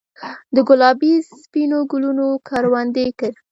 دګلابي ، سپینو ګلونو کروندې کرې